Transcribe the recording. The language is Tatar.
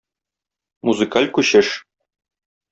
Музыкаль күчеш.